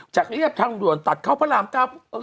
เรียบทางด่วนตัดเข้าพระรามเก้า